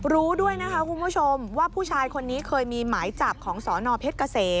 รู้ด้วยนะคะคุณผู้ชมว่าผู้ชายคนนี้เคยมีหมายจับของสนเพชรเกษม